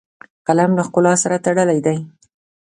قلم له ښکلا سره تړلی دی